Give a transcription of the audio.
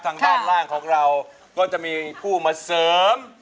ทางด้านล่างของเราก็จะมีผู้มาเสริม